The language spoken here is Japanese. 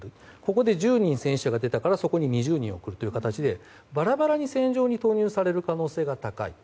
ここで１０人、戦死者が出たからそこに２０人送る形でバラバラに導入される可能性が高い。